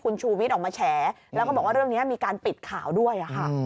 แล้วก็บอกว่าเรื่องนี้มีการปิดข่าวด้วย